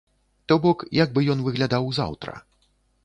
То бок, як бы ён выглядаў заўтра.